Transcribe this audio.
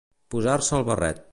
Posar-se el barret.